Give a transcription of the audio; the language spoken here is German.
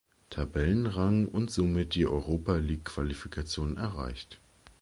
Tabellenrang und somit die Europa-League-Qualifikation erreicht.